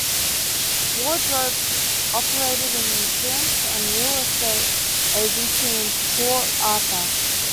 Wardrope operated an insurance and real estate agency in Port Arthur.